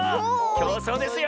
きょうそうですよ！